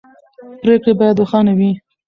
پرېکړې باید روښانه وي